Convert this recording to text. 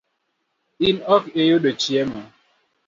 In ok iyudo chiemo?